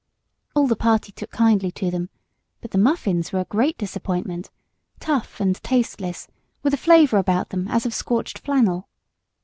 All the party took kindly to them; but the muffins were a great disappointment, tough and tasteless, with a flavor about them as of scorched flannel.